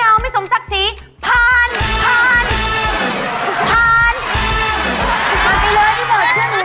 ผ่านไปเลยพี่เบิร์ดเชื่อนู